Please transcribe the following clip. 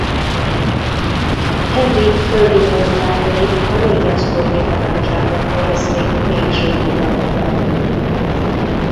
Henrik földi maradványait a Regensburgi apátságban helyezték végső nyugalomra.